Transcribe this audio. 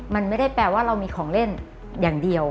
มันไม่ได้แปลว่าเรามีของเล่นอย่างเดียว